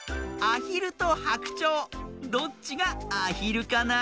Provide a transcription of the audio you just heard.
アヒルとハクチョウどっちがアヒルかな？